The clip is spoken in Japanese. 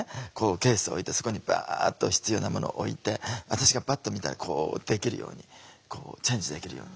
ケースを置いてそこにバッと必要なものを置いて私がバッと見たらこうできるようにチェンジできるように。